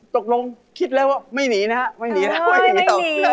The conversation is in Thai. ตกลงคิดแล้วว่าไม่หนีนะฮะไม่หนีแล้วไม่หนีต่อ